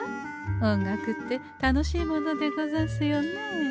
音楽って楽しいものでござんすよねえ。